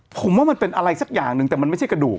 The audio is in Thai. ผมว่ามันเป็นอะไรสักอย่างหนึ่งแต่มันไม่ใช่กระดูก